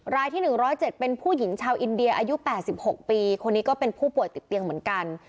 รายที่๑๐๗เป็นผู้หญิงชาวอินเดียอายุ๘๖ปีคนนี้ก็เป็นผู้ป่วยติดเตียงเหมือนกัน